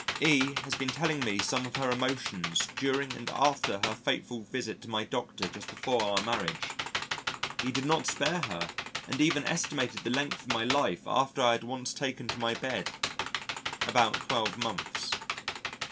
E has been telling me some of her emotions during and after her fateful visit to my Doctor just before our marriage. He did not spare her and even estimated the length of my life after I had once taken to my bed about 12 months.